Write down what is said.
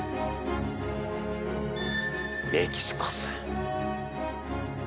「メキシコ戦」